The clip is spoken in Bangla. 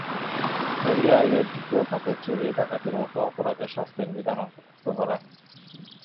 শরিয়া আইনের দ্বিতীয় ধাপে চুরি, ডাকাতির মতো অপরাধে শাস্তির বিধান অন্তর্ভুক্ত করা হয়েছে।